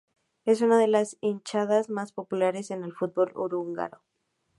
Es una de las hinchadas más populares en el fútbol uruguayo.